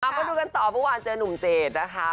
กลับมาดูกันต่อวันเจอนุ่มเจษนะคะ